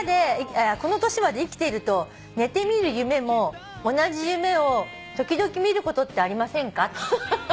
「この年まで生きていると寝て見る夢も同じ夢を時々見ることってありませんか？」